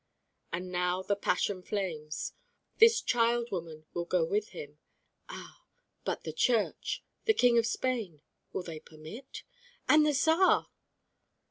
And now the passion flames. This child woman will go with him. Ah, but the church, the king of Spain, will they permit? And the Czar!